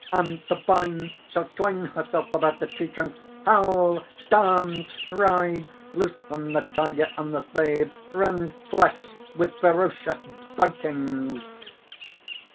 and the vine shall twine herself about the tree trunks! Howl! dance! writhe! Loosen the tiger and the slave! rend flesh with ferocious bitings!"